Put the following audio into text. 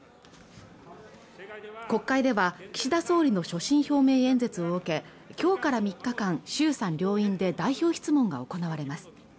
国会では岸田総理の所信表明演説を受けきょうから３日間衆参両院で代表質問が行われます